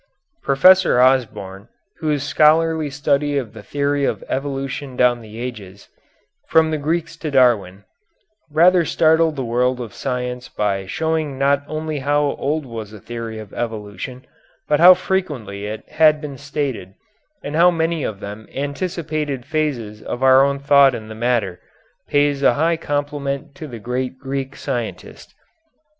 Professor Osborn, whose scholarly study of the theory of evolution down the ages "From the Greeks to Darwin" rather startled the world of science by showing not only how old was a theory of evolution, but how frequently it had been stated and how many of them anticipated phases of our own thought in the matter, pays a high compliment to the great Greek scientist.